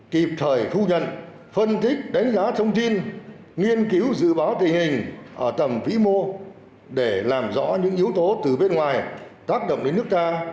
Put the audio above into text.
kịp thời thu nhận phân tích đánh giá thông tin nghiên cứu dự báo tình hình ở tầm vĩ mô để làm rõ những yếu tố từ bên ngoài tác động đến nước ta